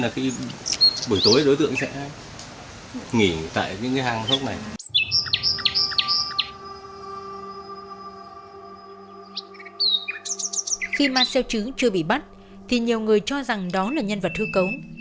khi ma xeo trứng chưa bị bắt thì nhiều người cho rằng đó là nhân vật hư cấu